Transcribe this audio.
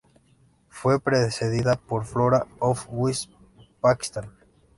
Fue precedida por "Flora of West Pakistan".